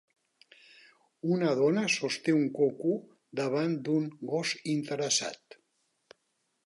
Una dona sosté un coco davant d'un gos interessat.